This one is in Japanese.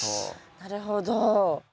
なるほど。